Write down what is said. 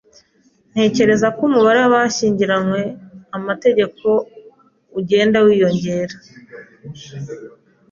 Ntekereza ko umubare w'abashyingiranywe-amategeko ugenda wiyongera.